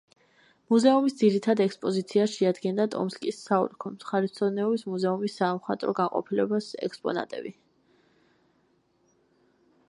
მუზეუმის ძირითად ექსპოზიციას შეადგენდა ტომსკის საოლქო მხარეთმცოდნეობის მუზეუმის სამხატვრო განყოფილების ექსპონატები.